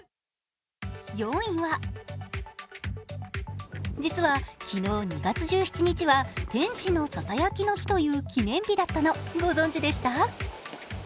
４位は、実は昨日２月１７日は天使のささやきの日という記念日だったのご存じでした？